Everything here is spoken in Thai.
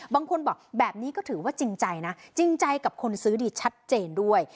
บางคนบอกแบบนี้ก็ถือว่าจริงใจนะจริงใจกับคนซื้อดีชัดเจนด้วย